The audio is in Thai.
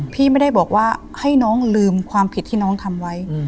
พี่ไม่ได้บอกว่าให้น้องลืมความผิดที่น้องทำไว้